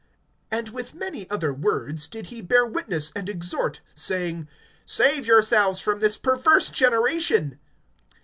(40)And with many other words did he bear witness and exhort, saying: Save yourselves from this perverse generation.